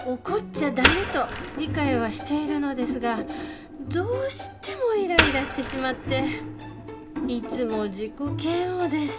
怒っちゃダメと理解はしているのですがどうしてもイライラしてしまっていつも自己嫌悪です